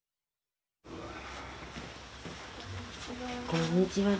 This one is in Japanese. こんにちは。